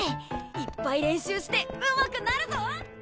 いっぱい練習してうまくなるぞ！